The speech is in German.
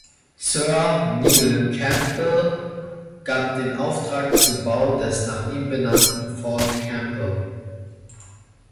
Sir Neil Campbell gab den Auftrag zum Bau des nach ihm benannten Fort Campbell.